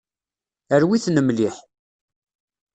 Rwit-ten mliḥ.